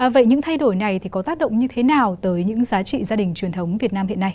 vậy những thay đổi này có tác động như thế nào tới những giá trị gia đình truyền thống việt nam hiện nay